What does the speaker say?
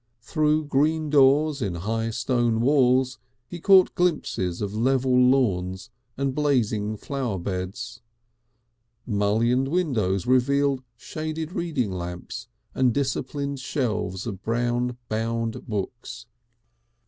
Through green doors in high stone walls he caught glimpses of level lawns and blazing flower beds; mullioned windows revealed shaded reading lamps and disciplined shelves of brown bound books.